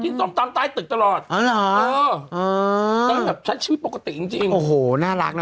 ส้มตำใต้ตึกตลอดอ๋อเหรอเออตอนแบบใช้ชีวิตปกติจริงจริงโอ้โหน่ารักนะ